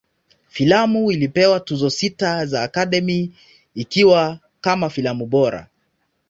Filamu ilipewa Tuzo sita za Academy, ikiwa kama filamu bora.